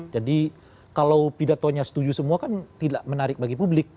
jadi kalau pidatonya setuju semua kan tidak menarik bagi publik